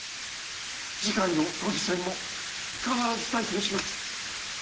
次回の都議選も必ず再選します！